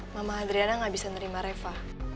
mama adriana gak bisa nerima reva